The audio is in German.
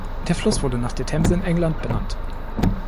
Der Fluss wurde nach der Themse in England benannt.